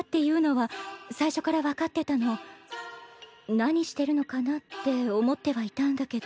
何してるのかなって思ってはいたんだけど。